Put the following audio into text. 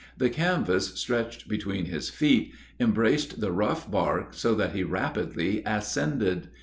The canvas, stretched between his feet, embraced the rough bark so that he rapidly ascended.